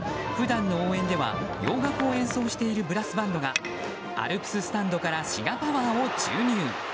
普段の応援では洋楽を演奏しているブラスバンドがアルプススタンドから滋賀パワーを注入。